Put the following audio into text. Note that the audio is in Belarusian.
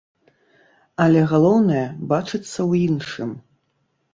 Але галоўнае бачыцца ў іншым.